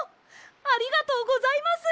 ありがとうございます！